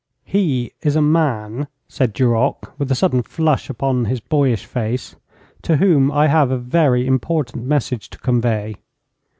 'He is a man,' said Duroc, with a sudden flush upon his boyish face, 'to whom I have a very important message to convey.'